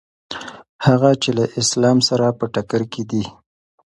هغه چې له اسلام سره په ټکر کې دي.